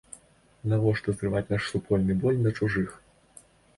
Навошта зрываць наш супольны боль на чужых?